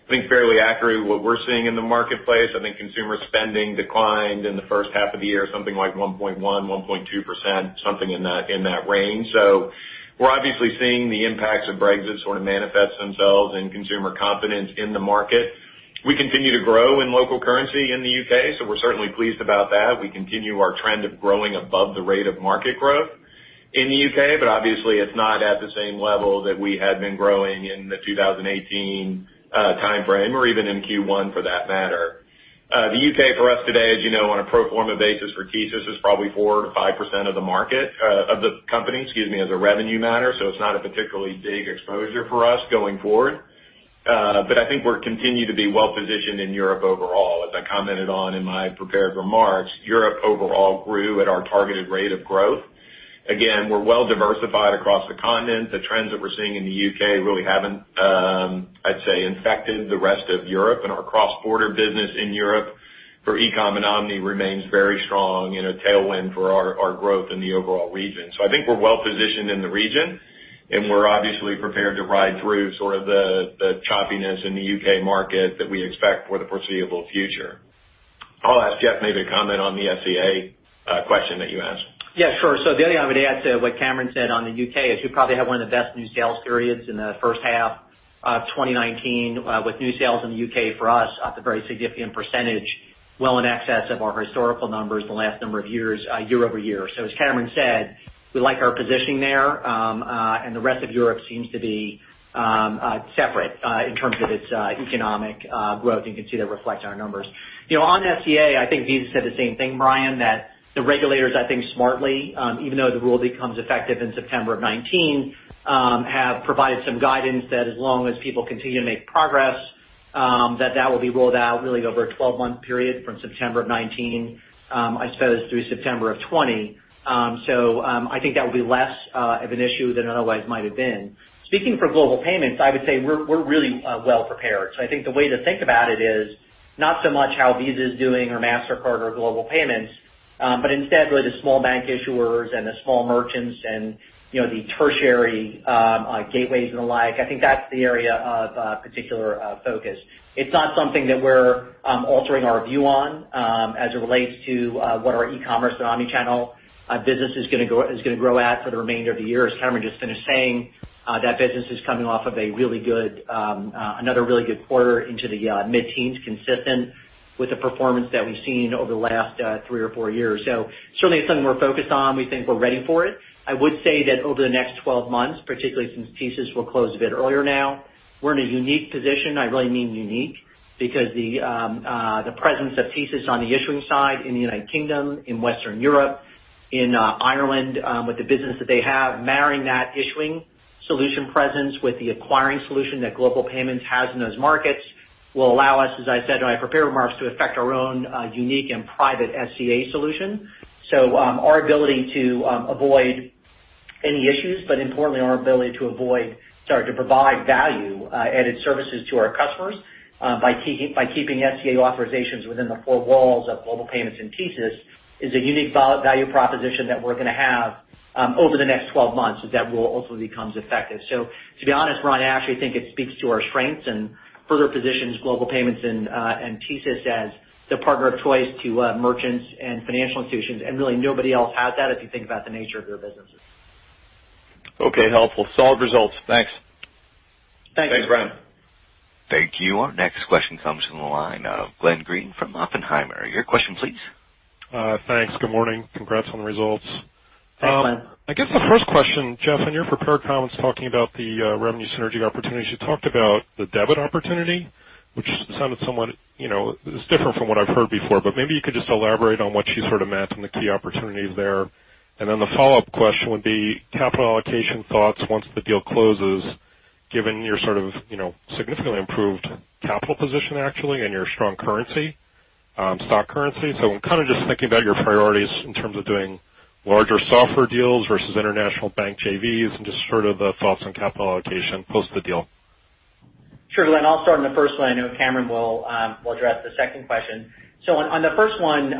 fairly accurately what we're seeing in the marketplace, I think consumer spending declined in the first half of the year, something like 1.1%, 1.2%, something in that range. We're obviously seeing the impacts of Brexit sort of manifest themselves in consumer confidence in the market. We continue to grow in local currency in the U.K., so we're certainly pleased about that. We continue our trend of growing above the rate of market growth in the U.K. Obviously, it's not at the same level that we had been growing in the 2018 timeframe or even in Q1 for that matter. The U.K. for us today, as you know, on a pro forma basis for TSYS, is probably 4%-5% of the company, excuse me, as a revenue matter. It's not a particularly big exposure for us going forward. I think we continue to be well-positioned in Europe overall. As I commented on in my prepared remarks, Europe overall grew at our targeted rate of growth. Again, we're well-diversified across the continent. The trends that we're seeing in the U.K. really haven't, I'd say, infected the rest of Europe. Our cross-border business in Europe for e-com and omni remains very strong tailwind for our growth in the overall region. I think we're well-positioned in the region, and we're obviously prepared to ride through sort of the choppiness in the U.K. market that we expect for the foreseeable future. I'll ask Jeff maybe to comment on the SCA question that you asked. Yeah, sure. The only thing I would add to what Cameron said on the U.K. is we probably had one of the best new sales periods in the first half of 2019 with new sales in the U.K. for us at a very significant percentage, well in excess of our historical numbers the last number of years year-over-year. As Cameron said, we like our positioning there. The rest of Europe seems to be separate in terms of its economic growth. You can see that reflect in our numbers. On SCA, I think Visa said the same thing, Bryan, that the regulators, I think smartly, even though the rule becomes effective in September of 2019, have provided some guidance that as long as people continue to make progress that that will be rolled out really over a 12-month period from September of 2019, I suppose, through September of 2020. I think that will be less of an issue than it otherwise might've been. Speaking for Global Payments, I would say we're really well-prepared. I think the way to think about it is not so much how Visa is doing or Mastercard or Global Payments, but instead really the small bank issuers and the small merchants and the tertiary gateways and the like. I think that's the area of particular focus. It's not something that we're altering our view on as it relates to what our e-commerce and omni-channel business is going to grow at for the remainder of the year. As Cameron just finished saying, that business is coming off of another really good quarter into the mid-teens, consistent with the performance that we've seen over the last three or four years. Certainly it's something we're focused on. We think we're ready for it. I would say that over the next 12 months, particularly since TSYS will close a bit earlier now, we're in a unique position. I really mean unique because the presence of TSYS on the issuing side in the United Kingdom, in Western Europe, in Ireland with the business that they have, marrying that issuing solution presence with the acquiring solution that Global Payments has in those markets will allow us, as I said in my prepared remarks, to effect our own unique and private SCA solution. Our ability to avoid any issues, but importantly, our ability to provide value-added services to our customers by keeping SCA authorizations within the four walls of Global Payments and TSYS is a unique value proposition that we're going to have over the next 12 months as that rule ultimately becomes effective. To be honest, Bryan, I actually think it speaks to our strengths and further positions Global Payments and TSYS as the partner of choice to merchants and financial institutions. Really nobody else has that if you think about the nature of their businesses. Okay. Helpful. Solid results. Thanks. Thank you. Thanks, Bryan. Thank you. Our next question comes from the line of Glenn Greene from Oppenheimer. Your question, please. Thanks. Good morning. Congrats on the results. Thanks, Glenn. I guess the first question, Jeff, in your prepared comments talking about the revenue synergy opportunities, you talked about the debit opportunity, which sounded somewhat different from what I've heard before. Maybe you could just elaborate on what you sort of meant and the key opportunities there. The follow-up question would be capital allocation thoughts once the deal closes, given your sort of significantly improved capital position actually, and your strong currency, stock currency. I'm kind of just thinking about your priorities in terms of doing larger software deals versus international bank JVs and just sort of thoughts on capital allocation post the deal. Sure, Glenn. I'll start on the first one. I know Cameron will address the second question. On the first one,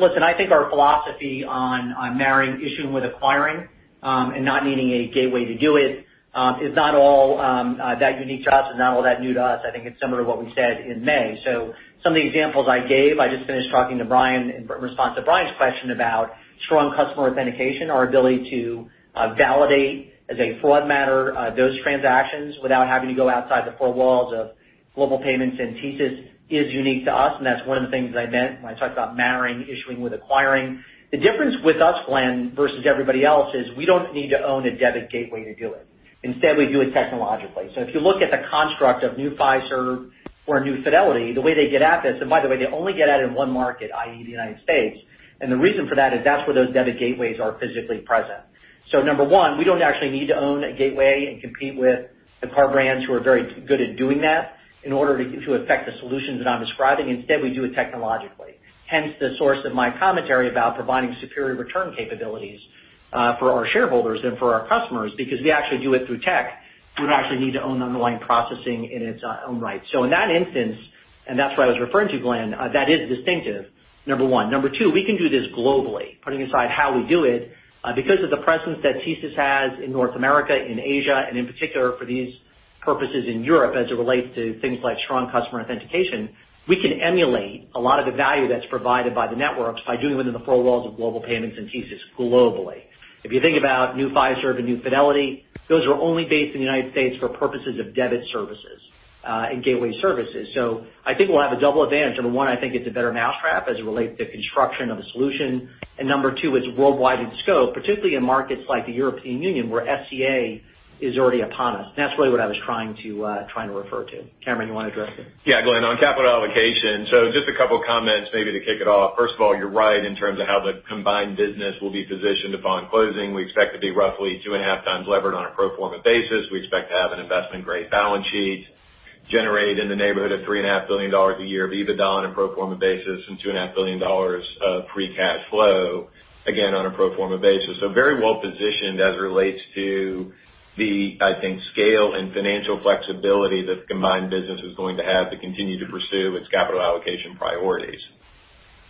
listen, I think our philosophy on marrying issuing with acquiring and not needing a gateway to do it is not all that unique to us. It's not all that new to us. I think it's similar to what we said in May. Some of the examples I gave, I just finished talking to Bryan in response to Bryan's question about strong customer authentication, our ability to validate as a fraud matter those transactions without having to go outside the four walls of Global Payments and TSYS is unique to us, and that's one of the things I meant when I talked about marrying issuing with acquiring. The difference with us, Glenn, versus everybody else is we don't need to own a debit gateway to do it. Instead, we do it technologically. If you look at the construct of New Fiserv or New Fidelity, the way they get at this, and by the way, they only get at it in one market, i.e., the United States. The reason for that is that's where those [debit] gateways are physically present. Number one, we don't actually need to own a gateway and compete with the card brands who are very good at doing that in order to affect the solutions that I'm describing. Instead, we do it technologically. Hence, the source of my commentary about providing superior return capabilities for our shareholders and for our customers, because we actually do it through tech. We don't actually need to own underlying processing in its own right. In that instance, and that's what I was referring to, Glenn, that is distinctive, number one. Number two, we can do this globally, putting aside how we do it. Because of the presence that TSYS has in North America, in Asia, and in particular, for these purposes in Europe, as it relates to things like strong customer authentication, we can emulate a lot of the value that's provided by the networks by doing it within the four walls of Global Payments and TSYS globally. If you think about New Fiserv and New Fidelity, those are only based in the United States for purposes of debit services and gateway services. I think we'll have a double advantage. Number one, I think it's a better mousetrap as it relates to construction of a solution, and number two, it's worldwide in scope, particularly in markets like the European Union, where SCA is already upon us. That's really what I was trying to refer to. Cameron, you want to address it? Glenn, on capital allocation. Just a couple of comments maybe to kick it off. First of all, you're right in terms of how the combined business will be positioned upon closing. We expect to be roughly 2.5x levered on a pro forma basis. We expect to have an investment-grade balance sheet generated in the neighborhood of $3.5 billion a year of EBITDA on a pro forma basis and $2.5 billion of free cash flow, again, on a pro forma basis. Very well-positioned as it relates to the, I think, scale and financial flexibility this combined business is going to have to continue to pursue its capital allocation priorities.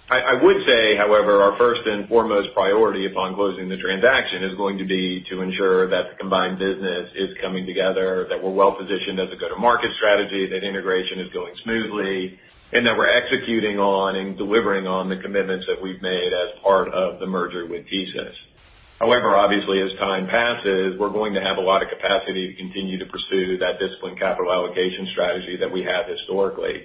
I would say, however, our first and foremost priority upon closing the transaction is going to be to ensure that the combined business is coming together, that we're well-positioned as a go-to-market strategy, that integration is going smoothly, and that we're executing on and delivering on the commitments that we've made as part of the merger with TSYS. Obviously, as time passes, we're going to have a lot of capacity to continue to pursue that disciplined capital allocation strategy that we have historically.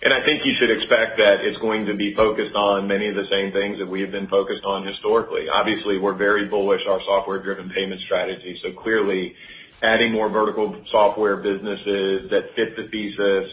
I think you should expect that it's going to be focused on many of the same things that we have been focused on historically. Obviously, we're very bullish our software-driven payment strategy. Clearly, adding more vertical software businesses that fit the thesis,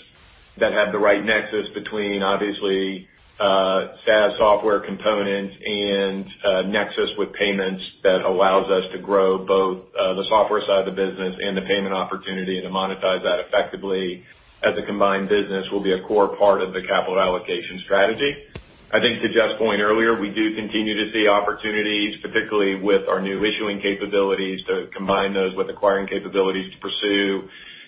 that have the right nexus between obviously, SaaS software components and nexus with payments that allows us to grow both the software side of the business and the payment opportunity and to monetize that effectively as a combined business will be a core part of the capital allocation strategy. I think to Jeff's point earlier, we do continue to see opportunities, particularly with our new issuing capabilities, to combine those with acquiring capabilities to pursue additional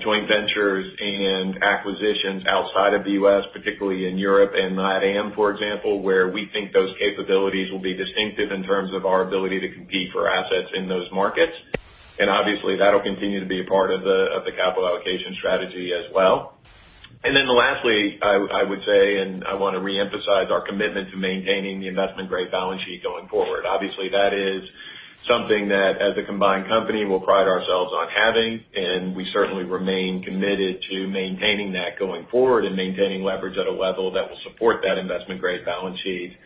joint ventures and acquisitions outside of the U.S., particularly in Europe and LATAM, for example, where we think those capabilities will be distinctive in terms of our ability to compete for assets in those markets. Obviously, that'll continue to be a part of the capital allocation strategy as well. Lastly, I would say, I want to reemphasize our commitment to maintaining the investment-grade balance sheet going forward. Obviously, that is something that as a combined company, we pride ourselves on having, and we certainly remain committed to maintaining that going forward and maintaining leverage at a level that will support that investment-grade balance sheet.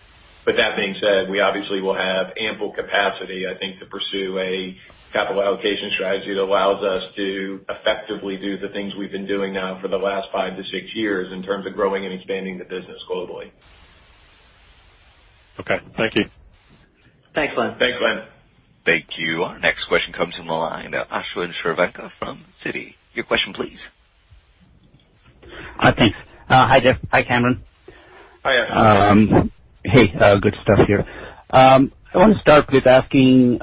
That being said, we obviously will have ample capacity, I think, to pursue a capital allocation strategy that allows us to effectively do the things we've been doing now for the last 5 years-6 years in terms of growing and expanding the business globally. Okay. Thank you. Thanks, Glenn. Thanks, Glenn. Thank you. Our next question comes from the line of Ashwin Shirvaikar from Citi. Your question, please. Thanks. Hi, Jeff. Hi, Cameron. Hi. Hey, good stuff here. I want to start with asking,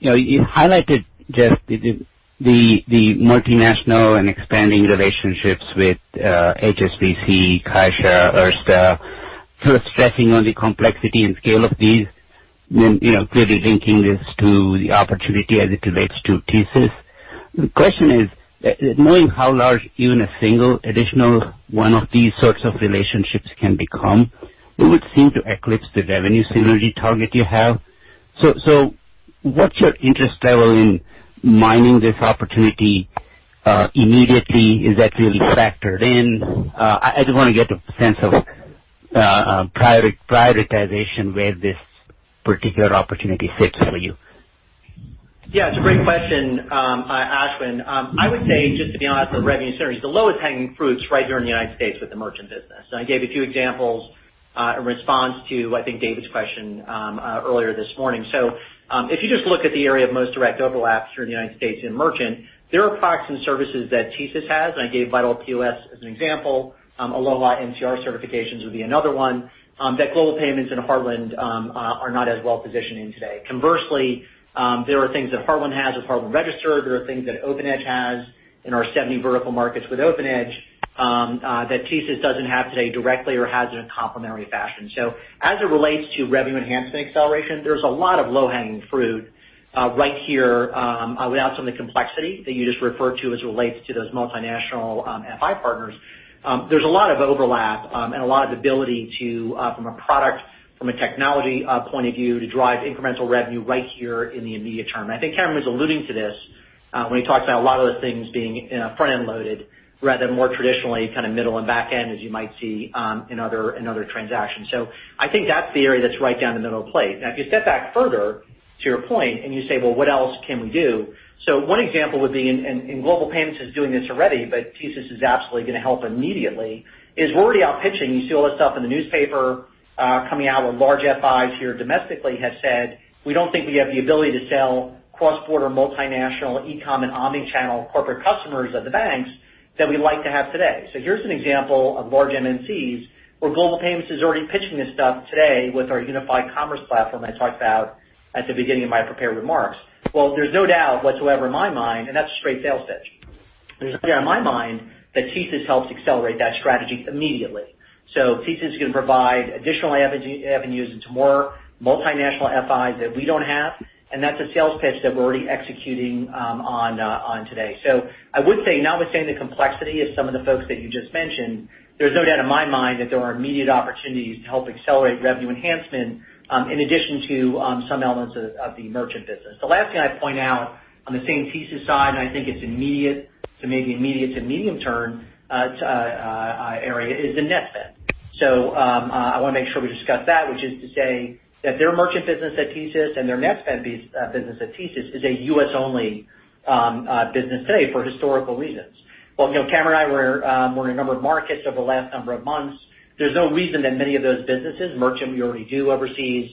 you highlighted, Jeff, the multinational and expanding relationships with HSBC, Caixa, Erste. You're stressing on the complexity and scale of these, clearly linking this to the opportunity as it relates to TSYS. The question is, knowing how large even a single additional one of these sorts of relationships can become, it would seem to eclipse the revenue synergy target you have. What's your interest level in mining this opportunity immediately? Is that really factored in? I just want to get a sense of prioritization where this particular opportunity fits for you. It's a great question, Ashwin. I would say, just to be honest, the revenue synergy, the lowest hanging fruit is right here in the United States with the merchant business. I gave a few examples in response to, I think, David's question earlier this morning. If you just look at the area of most direct overlap here in the United States in merchant, there are products and services that TSYS has, and I gave Vital POS as an example. Aloha NCR certifications would be another one that Global Payments and Heartland are not as well-positioned in today. Conversely, there are things that Heartland has with Heartland Register. There are things that OpenEdge has in our 70 vertical markets with OpenEdge that TSYS doesn't have today directly or has in a complementary fashion. As it relates to revenue enhancement acceleration, there's a lot of low-hanging fruit right here without some of the complexity that you just referred to as it relates to those multinational FI partners. There's a lot of overlap and a lot of ability to, from a product, from a technology point of view, to drive incremental revenue right here in the immediate term. I think Cameron was alluding to this when he talked about a lot of those things being front-end loaded rather than more traditionally middle and back end as you might see in other transactions. I think that's the area that's right down the middle of the plate. If you step back further to your point, and you say, "Well, what else can we do?" One example would be, and Global Payments is doing this already, but TSYS is absolutely going to help immediately, is we're already out pitching. You see all this stuff in the newspaper coming out where large FIs here domestically have said, "We don't think we have the ability to sell cross-border, multinational, e-comm, and omni-channel corporate customers of the banks that we like to have today." Here's an example of large MNCs where Global Payments is already pitching this stuff today with our unified commerce platform I talked about at the beginning of my prepared remarks. Well, there's no doubt whatsoever in my mind, and that's a straight sales pitch. There's no doubt in my mind that TSYS helps accelerate that strategy immediately. TSYS is going to provide additional avenues into more multinational FIs that we don't have, and that's a sales pitch that we're already executing on today. I would say notwithstanding the complexity of some of the folks that you just mentioned, there's no doubt in my mind that there are immediate opportunities to help accelerate revenue enhancement, in addition to some elements of the merchant business. The last thing I'd point out on the same TSYS side, and I think it's immediate to maybe immediate to medium-term area is the Netspend. I want to make sure we discuss that, which is to say that their merchant business at TSYS and their Netspend business at TSYS is a U.S.-only business today for historical reasons. Well, Cameron and I were in a number of markets over the last number of months. There's no reason that many of those businesses, merchant we already do overseas.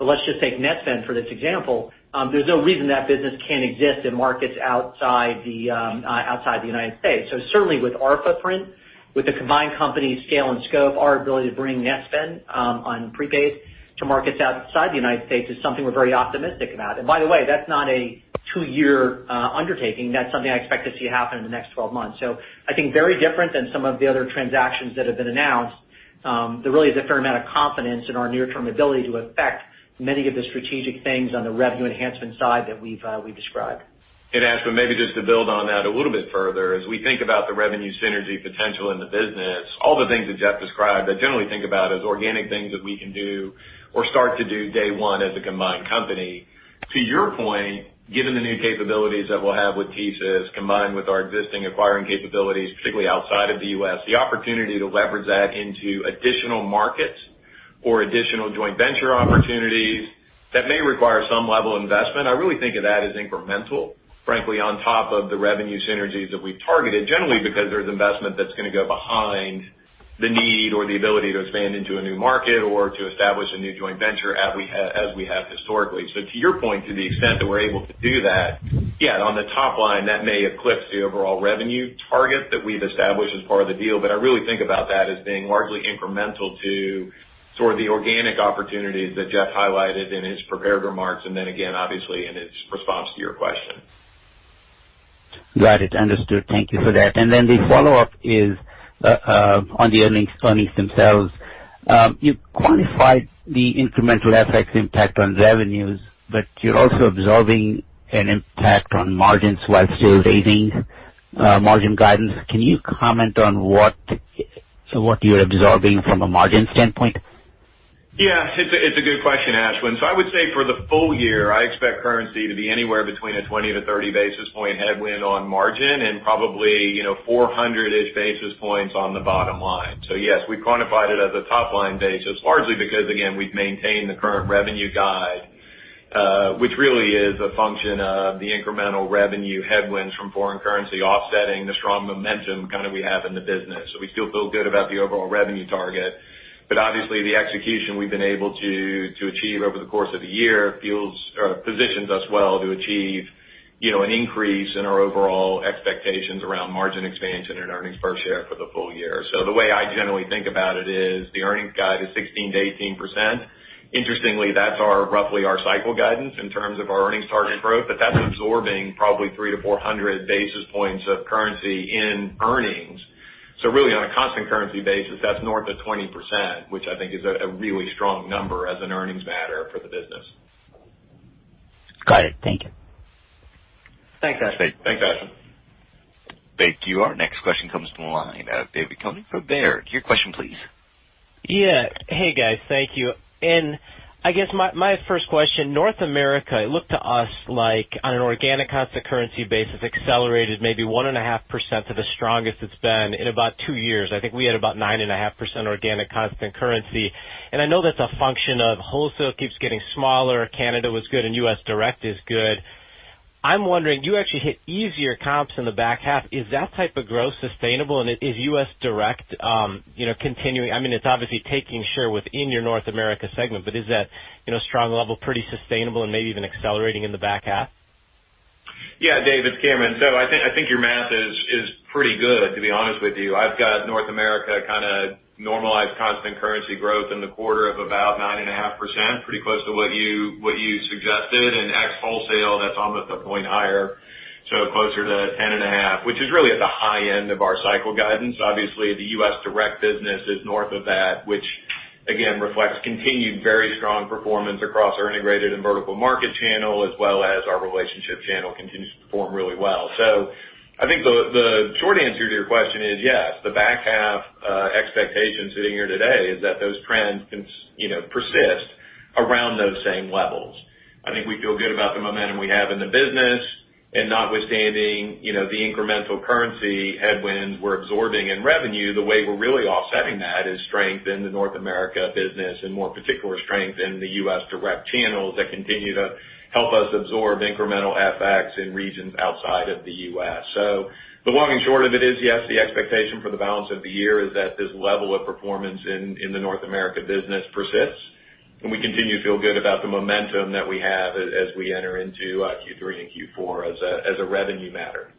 Let's just take Netspend for this example. There's no reason that business can't exist in markets outside the United States. Certainly, with our footprint, with the combined company scale and scope, our ability to bring Netspend on prepaid to markets outside the United States is something we're very optimistic about. By the way, that's not a two-year undertaking. That's something I expect to see happen in the next 12 months. I think very different than some of the other transactions that have been announced. There really is a fair amount of confidence in our near-term ability to affect many of the strategic things on the revenue enhancement side that we've described. Ashwin, maybe just to build on that a little bit further, as we think about the revenue synergy potential in the business, all the things that Jeff described, I generally think about as organic things that we can do or start to do day one as a combined company. To your point, given the new capabilities that we'll have with TSYS, combined with our existing acquiring capabilities, particularly outside of the U.S., the opportunity to leverage that into additional markets or additional joint venture opportunities that may require some level of investment. I really think of that as incremental, frankly, on top of the revenue synergies that we've targeted, generally because there's investment that's going to go behind the need or the ability to expand into a new market or to establish a new joint venture as we have historically. To your point, to the extent that we're able to do that, yeah, on the top line, that may eclipse the overall revenue target that we've established as part of the deal. I really think about that as being largely incremental to sort of the organic opportunities that Jeff highlighted in his prepared remarks, and then again, obviously, in his response to your question. Got it. Understood. Thank you for that. The follow-up is on the earnings themselves. You quantified the incremental FX impact on revenues, but you're also absorbing an impact on margins while still raising margin guidance. Can you comment on what you're absorbing from a margin standpoint? It's a good question, Ashwin. I would say for the full year, I expect currency to be anywhere between a 20 basis points-30 basis point headwind on margin and probably 400-ish basis points on the bottom line. Yes, we quantified it as a top-line basis, largely because, again, we've maintained the current revenue guide, which really is a function of the incremental revenue headwinds from foreign currency offsetting the strong momentum we have in the business. We still feel good about the overall revenue target, but obviously, the execution we've been able to achieve over the course of the year positions us well to achieve an increase in our overall expectations around margin expansion and earnings per share for the full year. The way I generally think about it is the earnings guide is 16%-18%. Interestingly, that's roughly our cycle guidance in terms of our earnings target growth. That's absorbing probably three to 400 basis points of currency in earnings. Really, on a constant currency basis, that's north of 20%, which I think is a really strong number as an earnings matter for the business. Got it. Thank you. Thanks, Ashwin. Thanks, Ashwin. Thank you. Our next question comes from the line of David Koning from Baird. Your question, please. Yeah. Hey, guys. Thank you. I guess my first question, North America looked to us like on an organic constant currency basis, accelerated maybe 1.5% to the strongest it's been in about 2 years. I think we had about 9.5% organic constant currency. I know that's a function of wholesale keeps getting smaller. Canada was good and U.S. direct is good. I'm wondering, you actually hit easier comps in the back half. Is that type of growth sustainable? Is U.S. direct continuing? It's obviously taking share within your North America segment, but is that strong level pretty sustainable and maybe even accelerating in the back half? David, Cameron. I think your math is pretty good, to be honest with you. I've got North America kind of normalized constant currency growth in the quarter of about 9.5%, pretty close to what you suggested. Ex-wholesale, that's almost 1 point higher, closer to 10.5%, which is really at the high end of our cycle guidance. Obviously, the U.S. direct business is north of that, which again reflects continued very strong performance across our integrated and vertical market channel, as well as our relationship channel continues to perform really well. I think the short answer to your question is, yes, the back half expectation sitting here today is that those trends can persist around those same levels. I think we feel good about the momentum we have in the business, notwithstanding the incremental currency headwinds we're absorbing in revenue, the way we're really offsetting that is strength in the North America business and more particularly, strength in the U.S. direct channels that continue to help us absorb incremental FX in regions outside of the U.S. The long and short of it is, yes, the expectation for the balance of the year is that this level of performance in the North America business persists, and we continue to feel good about the momentum that we have as we enter into Q3 and Q4 as a revenue matter.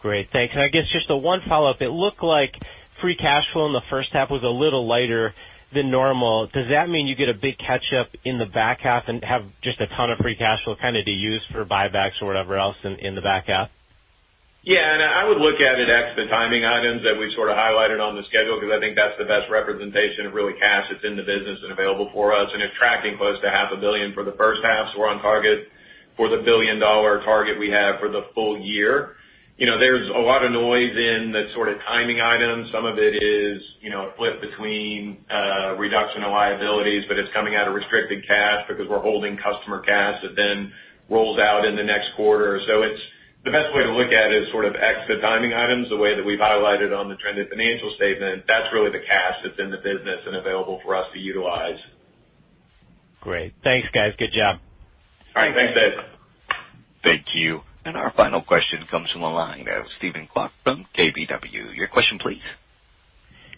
Great. Thanks. I guess just the one follow-up. It looked like free cash flow in the first half was a little lighter than normal. Does that mean you get a big catch-up in the back half and have just a ton of free cash flow to use for buybacks or whatever else in the back half? Yeah. I would look at it ex the timing items that we sort of highlighted on the schedule because I think that's the best representation of really cash that's in the business and available for us. It's tracking close to half a billion for the first half, so we're on target for the billion-dollar target we have for the full year. There's a lot of noise in the sort of timing items. Some of it is a flip between reduction of liabilities, but it's coming out of restricted cash because we're holding customer cash that then rolls out in the next quarter. The best way to look at it is sort of ex the timing items, the way that we've highlighted on the trended financial statement. That's really the cash that's in the business and available for us to utilize. Great. Thanks, guys. Good job. All right. Thanks, David. Thank you. Our final question comes from the line of Steven Kwok from KBW. Your question, please.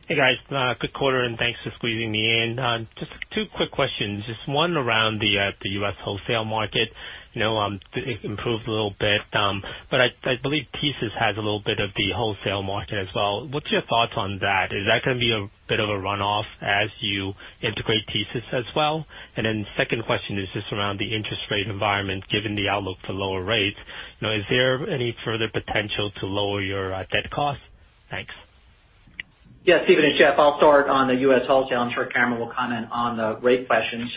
Hey, guys. Good quarter. Thanks for squeezing me in. Just two quick questions. Just one around the U.S. wholesale market. It improved a little bit. I believe TSYS has a little bit of the wholesale market as well. What's your thoughts on that? Is that going to be a bit of a runoff as you integrate TSYS as well? Second question is just around the interest rate environment, given the outlook for lower rates. Is there any further potential to lower your debt cost? Thanks. Steven, it's Jeff. I'll start on the U.S. wholesale. I'm sure Cameron will comment on the rate question.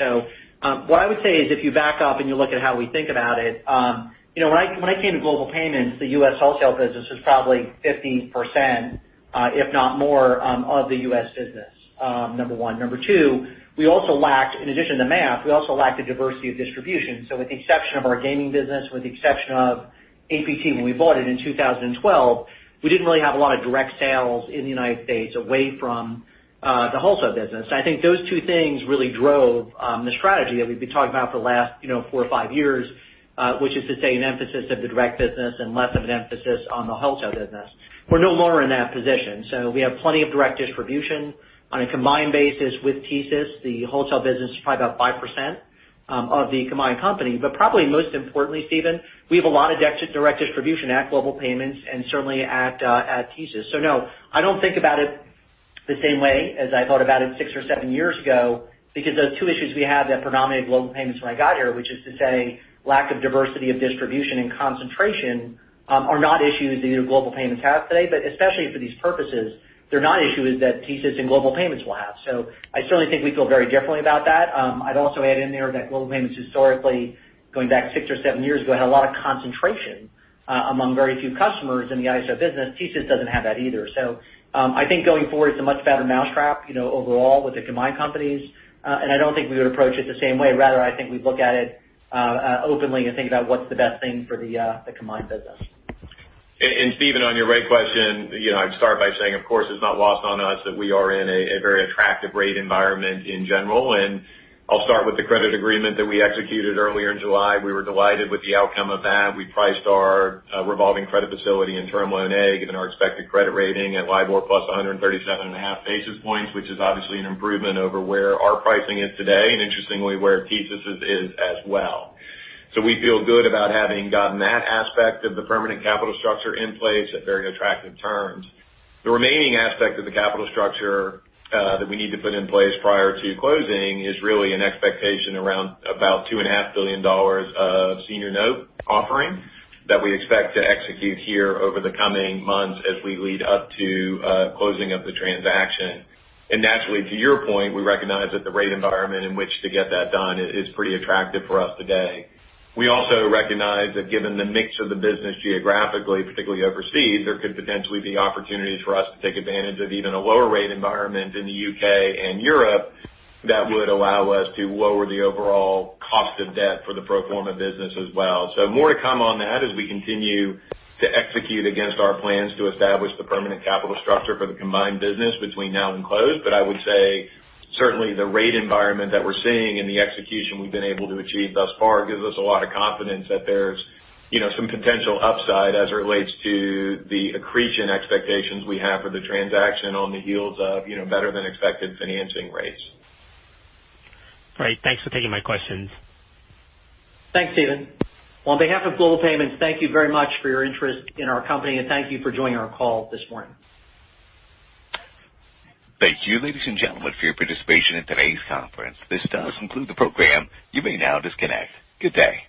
What I would say is, if you back up and you look at how we think about it, when I came to Global Payments, the U.S. wholesale business was probably 50%, if not more, of the U.S. business, number one. Number two, in addition to mass, we also lacked a diversity of distribution. With the exception of our gaming business, with the exception of APT when we bought it in 2012, we didn't really have a lot of direct sales in the United States away from the wholesale business. I think those two things really drove the strategy that we've been talking about for the last four or five years, which is to say, an emphasis of the direct business and less of an emphasis on the wholesale business. We're no longer in that position. We have plenty of direct distribution. On a combined basis with TSYS, the wholesale business is probably about 5% of the combined company. Probably most importantly, Steven, we have a lot of direct distribution at Global Payments and certainly at TSYS. No, I don't think about it the same way as I thought about it six or seven years ago because those two issues we had that predominated Global Payments when I got here, which is to say, lack of diversity of distribution and concentration, are not issues that either Global Payments has today, but especially for these purposes, they're not issues that TSYS and Global Payments will have. I certainly think we feel very differently about that. I'd also add in there that Global Payments historically, going back six or seven years ago, had a lot of concentration among very few customers in the ISO business. TSYS doesn't have that either. I don't think going forward, it's a much fatter mousetrap overall with the combined companies. I don't think we would approach it the same way. Rather, I think we'd look at it openly and think about what's the best thing for the combined business. Steven, on your rate question, I'd start by saying, of course, it's not lost on us that we are in a very attractive rate environment in general. I'll start with the credit agreement that we executed earlier in July. We were delighted with the outcome of that. We priced our revolving credit facility and term loan A given our expected credit rating at LIBOR plus 137.5 basis points, which is obviously an improvement over where our pricing is today, and interestingly, where TSYS' is as well. We feel good about having gotten that aspect of the permanent capital structure in place at very attractive terms. The remaining aspect of the capital structure that we need to put in place prior to closing is really an expectation around about $2.5 billion of senior note offering that we expect to execute here over the coming months as we lead up to closing of the transaction. Naturally, to your point, we recognize that the rate environment in which to get that done is pretty attractive for us today. We also recognize that given the mix of the business geographically, particularly overseas, there could potentially be opportunities for us to take advantage of even a lower rate environment in the U.K. and Europe that would allow us to lower the overall cost of debt for the pro forma business as well. More to come on that as we continue to execute against our plans to establish the permanent capital structure for the combined business between now and close. I would say certainly the rate environment that we're seeing and the execution we've been able to achieve thus far gives us a lot of confidence that there's some potential upside as it relates to the accretion expectations we have for the transaction on the heels of better-than-expected financing rates. All right. Thanks for taking my questions. Thanks, Steven. Well, on behalf of Global Payments, thank you very much for your interest in our company, and thank you for joining our call this morning. Thank you, ladies and gentlemen, for your participation in today's conference. This does conclude the program. You may now disconnect. Good day.